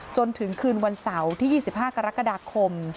จนถึงคืนวันเสาร์ที่๒๕กรกฎาคม